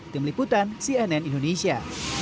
kemeliputan cnn indonesia